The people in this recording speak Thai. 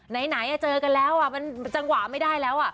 ไหนเจอกันแล้วมันจังหวะไม่ได้แล้ว